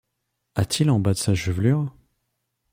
A-t-il en bas sa chevelure